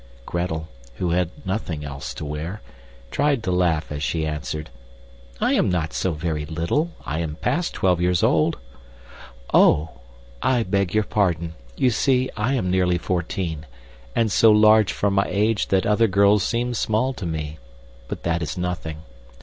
Gretel, who had nothing else to wear, tried to laugh as she answered, "I am not so very little. I am past twelve years old." "Oh, I beg your pardon. You see, I am nearly fourteen, and so large for my age that other girls seem small to me, but that is nothing.